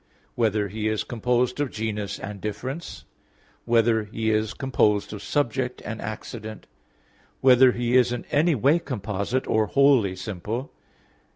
(5) Whether He is composed of genus and difference? (6) Whether He is composed of subject and accident? (7) Whether He is in any way composite, or wholly simple?